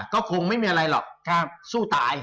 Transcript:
ก็คงไม่มีอะไรหรอกสู้ตาย